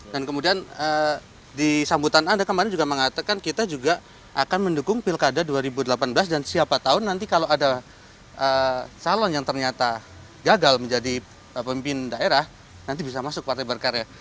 dan kemudian di sambutan anda kemarin juga mengatakan kita juga akan mendukung pilkada dua ribu delapan belas dan siapa tahu nanti kalau ada calon yang ternyata gagal menjadi pemimpin daerah nanti bisa masuk partai berkarya